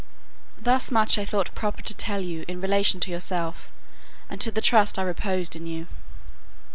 Thus much I thought proper to tell you in relation to yourself, and to the trust I reposed in you.